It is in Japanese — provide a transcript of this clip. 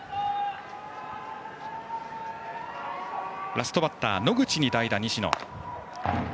ラストバッター、野口に代打の西野。